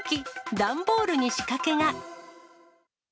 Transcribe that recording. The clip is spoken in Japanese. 段ボールに仕掛けが。